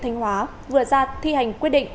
thanh hóa vừa ra thi hành quyết định